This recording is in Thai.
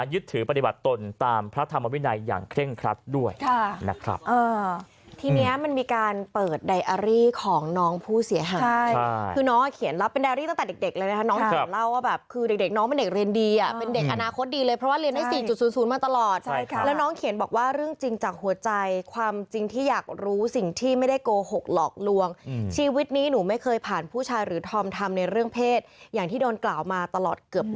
คือน้องเขียนรับเป็นไดอารี่ตั้งแต่เด็กเลยนะครับน้องเขียนเล่าว่าแบบคือเด็กน้องเป็นเด็กเรียนดีเป็นเด็กอนาคตดีเลยเพราะว่าเรียนให้๔๐๐มาตลอดแล้วน้องเขียนบอกว่าเรื่องจริงจากหัวใจความจริงที่อยากรู้สิ่งที่ไม่ได้โกหกหลอกลวงชีวิตนี้หนูไม่เคยผ่านผู้ชายหรือทอมทำในเรื่องเพศอย่างที่โดนกล่าวมาตลอ